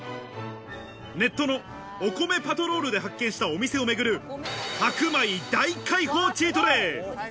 ネットのお米パトロールで発見したお店をめぐる白米大解放チートデイ。